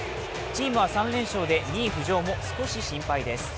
チームは３連勝で２位浮上も少し心配です。